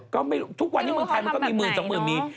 ก็ไม่รู้ทุกวันนี้มึงทำมันก็มีหมื่น๒หมื่นมี